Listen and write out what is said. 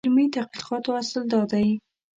د علمي تحقیقاتو اصل دا دی.